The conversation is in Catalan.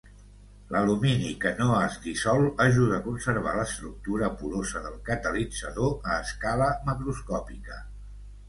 L'alumini que no es dissol ajuda a conservar l'estructura porosa del catalitzador a escala macroscòpica.